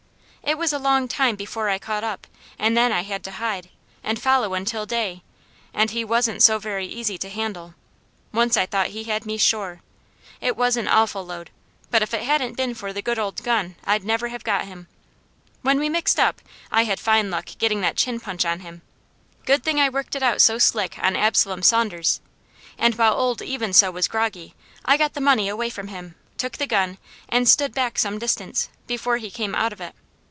"It was a long time before I caught up, and then I had to hide, and follow until day, and he wasn't so very easy to handle. Once I thought he had me sure! It was an awful load, but if it hadn't been for the good old gun, I'd never have got him. When we mixed up, I had fine luck getting that chin punch on him; good thing I worked it out so slick on Absalom Saunders, and while old Even So was groggy I got the money away from him, took the gun, and stood back some distance, before he came out of it.